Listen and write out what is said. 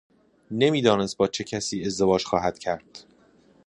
نمیدانست با چه کسی ازدواج خواهد کرد.